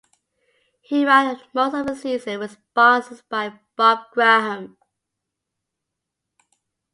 He ran most of the season with sponsored by Bob Graham.